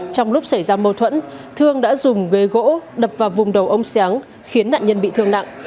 trong lúc xảy ra mâu thuẫn thương đã dùng ghế gỗ đập vào vùng đầu ông xéng khiến nạn nhân bị thương nặng